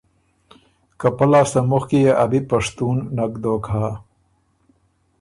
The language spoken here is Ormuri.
که پۀ لاسته مُخکی يې ا بی پشتُون نک دوک هۀ۔